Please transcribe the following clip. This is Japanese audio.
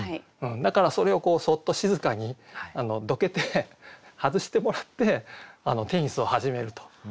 だからそれをそっと静かにどけて外してもらってテニスを始めると。